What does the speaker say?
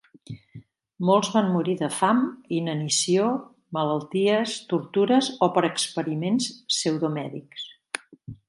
Molts van morir de fam, inanició, malalties, tortures o per experiments pseudomèdics.